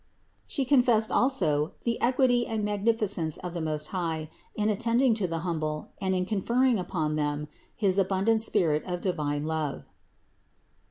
She confessed also the equity and magnificence of the Most High in attending to the humble and in confer ring upon them his abundant spirit of divine love (Ps.